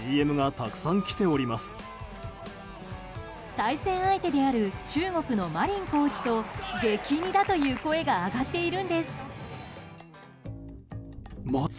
対戦相手である中国のマ・リンコーチと激似だという声が上がっているんです。